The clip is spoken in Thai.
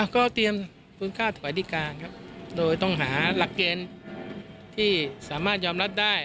ก็เตรียมคุณค่าถวายดีการครับโดยต้องหาหลักเกณฑ์ที่สามารถยอมรับได้